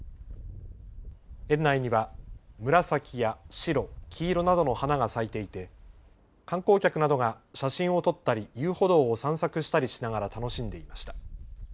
園内には紫や白、黄色などの花が咲いていて観光客などが写真を撮ったり遊歩道を散策したりしながら楽しんでいました。